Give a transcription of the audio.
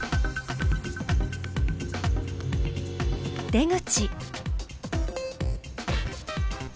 出口。